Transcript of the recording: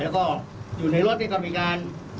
แล้วก็อยู่ในรถในกรรมีการ